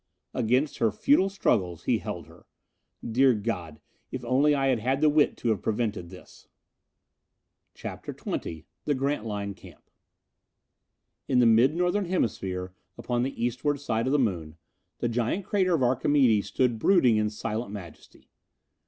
Against her futile struggles he held her. Dear God, if only I had had the wit to have prevented this! CHAPTER XX The Grantline Camp In the mid northern hemisphere upon the Earthward side of the Moon, the giant crater of Archimedes stood brooding in silent majesty.